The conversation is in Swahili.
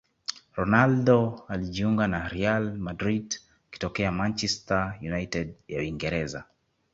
ronaldo alijiunga na real madrid akitokea manchester united ya uingereza